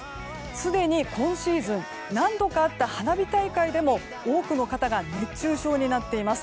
すでに今シーズン何度かあった花火大会でも多くの方が熱中症になっています。